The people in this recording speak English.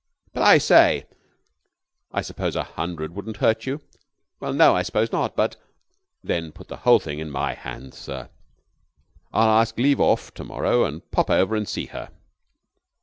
"But, I say !" "I suppose a hundred wouldn't hurt you?" "Well, no, I suppose not, but " "Then put the whole thing in my hands, sir. I'll ask leave off to morrow and pop over and see her.